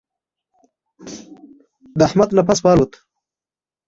د احمد نفس والوت.